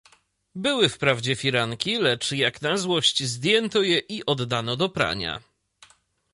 "Były wprawdzie firanki, lecz jak na złość, zdjęto je i oddano do prania."